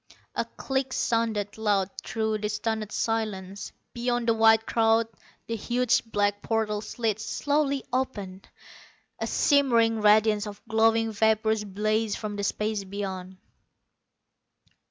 A click sounded loud through the stunned silence. Beyond the white crowd the huge black portal slid slowly open. A shimmering radiance of glowing vapors blazed from the space beyond.